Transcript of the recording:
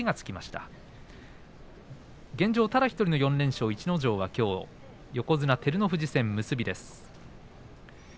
ただ１人の４連勝逸ノ城はきょう結びで照ノ富士戦です。。